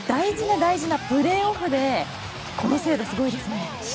大事なプレーオフでこの精度はすごいです。